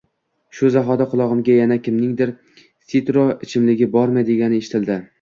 Shu zahoti qulogʻimga yana kimningdir «Sitro ichimligi bormi» degani eshitildi